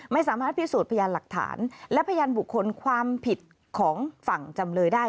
ไม่สามารถพิสูจน์พยานหลักฐานและพยานบุคคลความผิดของฝั่งจำเลยได้